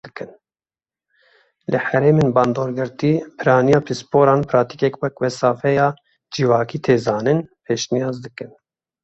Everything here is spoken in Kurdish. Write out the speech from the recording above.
Li herêmên bandorgirtî, piraniya pisporan pratîkek wek mesafeya civakî tê zanîn pêşniyaz dikin.